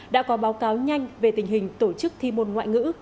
đã có báo cáo nhanh về tình hình tổ chức thi môn ngoại ngữ